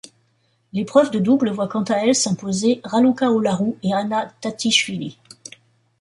L'épreuve de double voit quant à elle s'imposer Raluca Olaru et Anna Tatishvili.